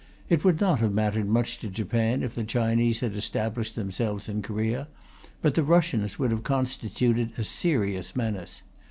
It would not have mattered much to Japan if the Chinese had established themselves in Korea, but the Russians would have constituted a serious menace.